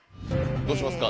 どうしますか？